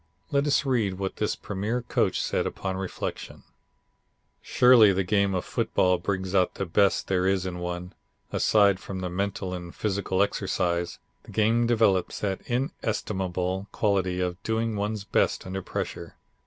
Let us read what this premier coach says upon reflection: "Surely the game of football brings out the best there is in one. Aside from the mental and physical exercise, the game develops that inestimable quality of doing one's best under pressure.